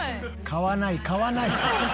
買わない買わない。